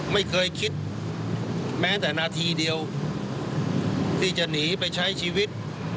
ไม่เคยคิดแม้แต่นาทีเดียวที่จะหนีไปใช้ชีวิต